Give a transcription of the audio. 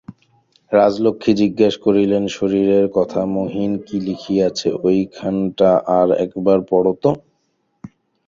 রাজলক্ষ্মী জিজ্ঞাসা করিলেন, শরীরের কথা মহিন কী লিখিয়াছে ঐখানটা আর একবার পড়ো তো।